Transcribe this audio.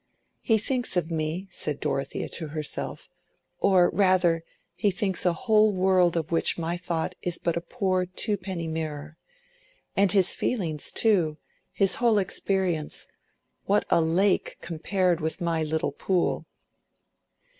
"He thinks with me," said Dorothea to herself, "or rather, he thinks a whole world of which my thought is but a poor twopenny mirror. And his feelings too, his whole experience—what a lake compared with my little pool!"